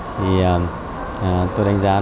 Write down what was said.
thì tôi đánh giá